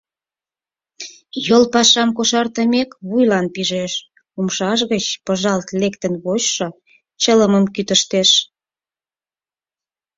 Йол пашам кошартымек, вуйлан пижеш: умшаж гыч пыжалт лектын вочшо чылымым кӱтыштеш.